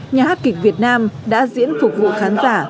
nhà hát kịch việt nam đã diễn phục vụ khán giả